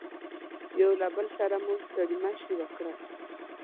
یو له بل سره مو ستړي مشي وکړل.